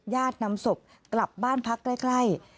ญาตินำศพกลับบ้านพักใกล้